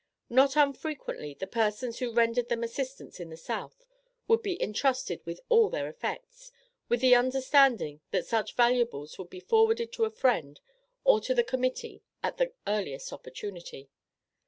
Not unfrequently the persons who rendered them assistance in the South, would be entrusted with all their effects, with the understanding, that such valuables would be forwarded to a friend or to the Committee at the earliest opportunity.